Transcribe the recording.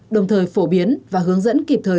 đồng thời phổ biến và hướng dẫn kịp thời